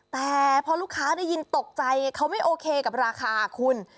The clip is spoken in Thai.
แต่พอลูกค้าได้ยินตกใจเขาไม่โอเคกับราคาคุณ